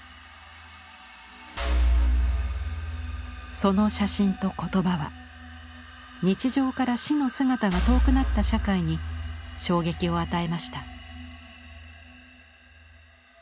その写真と言葉は日常から「死」の姿が遠くなった社会に衝撃を与えました。